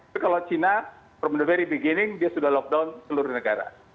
tapi kalau china itu sudah pernah ada lockdown di china tapi lockdownnya tidak seluruh negara